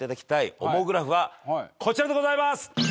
オモグラフはこちらでございます！